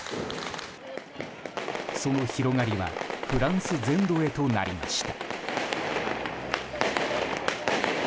その広がりはフランス全土へとなりました。